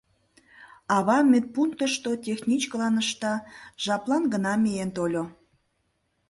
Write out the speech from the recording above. Ава медпунктышто техничкылан ышта, жаплан гына миен тольо.